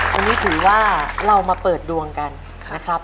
อันนี้ถือว่าเรามาเปิดดวงกันนะครับ